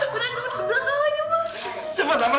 beranjung di belakang ayo mbah